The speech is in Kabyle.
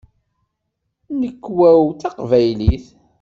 Nnekwa-w d taqbaylit.